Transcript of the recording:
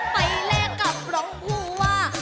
แลกกับรองผู้ว่า